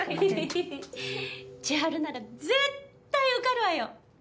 千晴なら絶対受かるわよ。